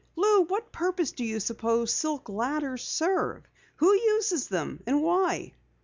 "Lou, what purpose do you suppose silk ladders serve? Who uses them and why?"